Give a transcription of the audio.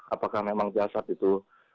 apakah memang jasad itu